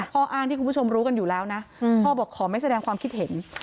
ข้ออ้างที่คุณผู้ชมรู้กันอยู่แล้วนะพ่อบอกขอไม่แสดงความคิดเห็น